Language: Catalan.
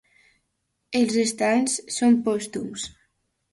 Els restants són pòstums.